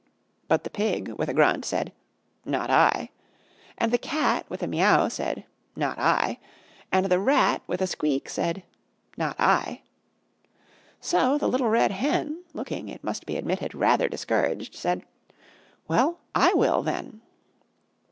But the Pig, with a grunt, said, "Not I," and the Cat, with a meow, said, "Not I," and the Rat, with a squeak, said, "Not I." So the Little Red Hen, looking, it must be admitted, rather discouraged, said, "Well, I will, then."